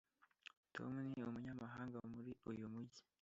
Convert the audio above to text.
tom ni umunyamahanga muri uyu mujyi.